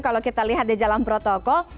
kalau kita lihat di jalan protokol